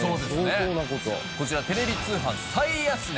こちらテレビ通販最安値。